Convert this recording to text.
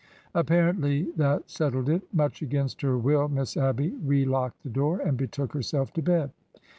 Apparently, that settled it. Much against her will. Miss Abby relocked the door and betook herself to bed.